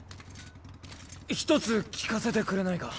一つ聞かせてくれないか？